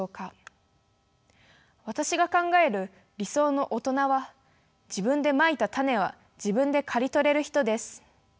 私が考える理想の大人は自分でまいた種は自分で刈り取れる人です。